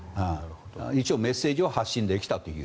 一応メッセージは発信できたという。